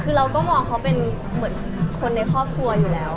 คือเราก็มองเขาเป็นเหมือนคนในครอบครัวอยู่แล้ว